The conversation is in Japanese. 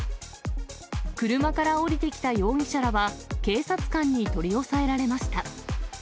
車から降りてきた容疑者らは、警察官に取り押さえられました。